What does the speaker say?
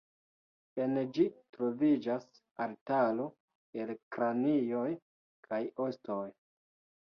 En ĝi troviĝas altaro el kranioj kaj ostoj.